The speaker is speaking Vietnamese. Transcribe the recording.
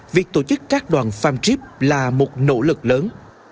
việc tổ chức các đoàn farm trip là một nỗ lực lớn